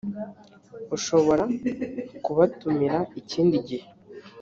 ushobora kubatumira ikindi gihe